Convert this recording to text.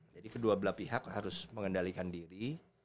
jadi kedua belah pihak harus mengendalikan diri